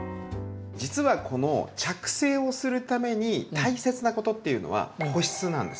実はこの着生をするために大切なことっていうのは保湿なんです。